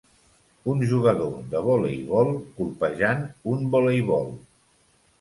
Un jugador de voleibol colpejant un voleibol